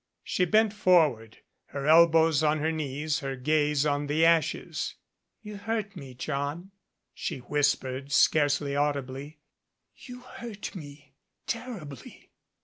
She bent forward, her elbows on her knees, her gaze on the ashes. "You hurt me John," she whispered, scarcely audi bly; "you hurt me terribly."